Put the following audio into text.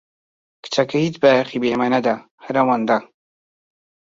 کچەکە هیچ بایەخی بە ئێمە نەدا، هەر ئەوەندە.